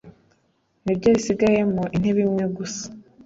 na ryo risigayemo intebe imwe gusa,